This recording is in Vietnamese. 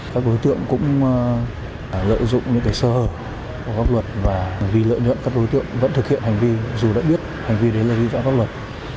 các đối tượng cũng lợi dụng những sơ hở của các luật và vì lợi nhuận các đối tượng vẫn thực hiện hành vi dù đã biết hành vi đấy là lợi dụng các luật